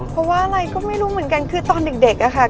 เพราะว่าอะไรก็ไม่รู้เหมือนกันคือตอนเด็กอะค่ะ